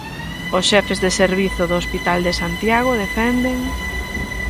Os xefes de servizo do hospital de Santiago defenden...